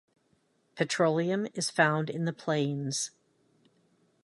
Petroleum is found in the plains.